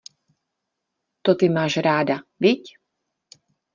To ty máš ráda, viď?